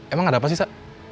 emang ada apa sih sa